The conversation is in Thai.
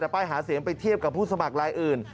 แต่ป้ายหาเสียงไปเทียบกับผู้สมัครรายอื่น